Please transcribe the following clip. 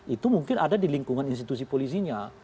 itu mungkin ada di lingkungan institusi polisinya